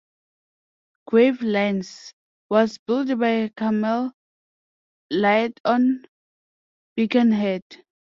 "Gravelines" was built by Cammell Laird of Birkenhead.